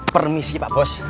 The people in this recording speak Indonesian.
permisi pak bos